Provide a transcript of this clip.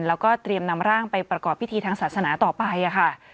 แล้วก็เตรียมนำร่างไปประกอบพิธีทางศาสนาต่อไปค่ะ